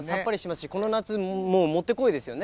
この夏にもってこいですよね。